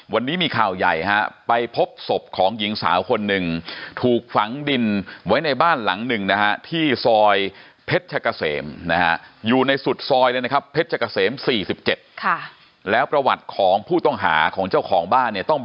วันนี้มีข่าวใหญ่ฮะไปพบศพของหญิงสาวคนนึง